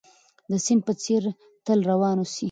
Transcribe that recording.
د سيند په څېر تل روان اوسئ.